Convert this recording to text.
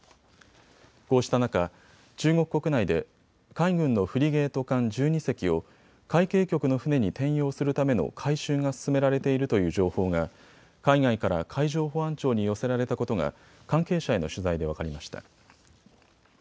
こうした中、中国国内で海軍のフリゲート艦１２隻を海警局の船に転用するための改修が進められているという情報が海外から海上保安庁に寄せられたことが関係者への取材で分かりました。